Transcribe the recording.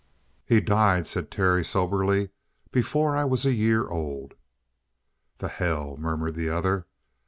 "He died," said Terry soberly, "before I was a year old." "The hell!" murmured the other.